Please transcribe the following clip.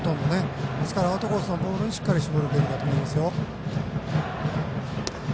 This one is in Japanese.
ですからアウトコースのボールに絞るべきだと思います。